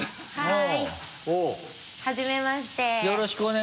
はい。